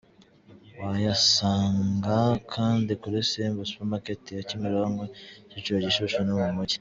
Wayasanga kandi kuri Simba Supermarket ya Kimironko, Kicukiro, Gishushu no mu mujyi.